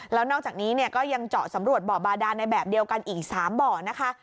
แล้วนอกจากนี้ก็ยังเจาะสำรวจบ่อบาดานในแบบเดียวกันอีก๓บ่อนะคะ